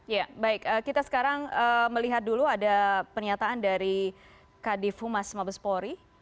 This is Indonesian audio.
ya baik kita sekarang melihat dulu ada pernyataan dari kadif humas mabespori